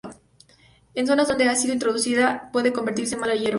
En zonas donde ha sido introducida puede convertirse en mala hierba.